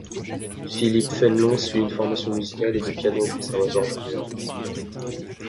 Philippe Fénelon suit une formation musicale et de piano au conservatoire d'Orléans.